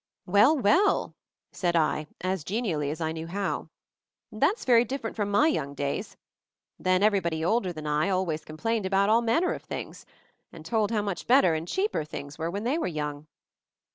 "Well ! well !" said I as genially as I knew how. "That's very different from my young days. Then everybody older than I always complained about all manner of things, and told how much better — and cheaper — things were when they were young."